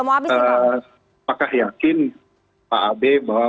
apakah yakin pak abe bahwa